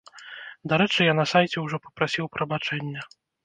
Дарэчы, я на сайце ўжо папрасіў прабачэння!